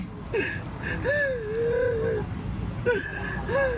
สั่งเงียบ